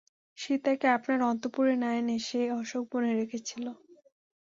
সীতাকে আপনার অন্তঃপুরে না এনে সে অশোকবনে রেখেছিল।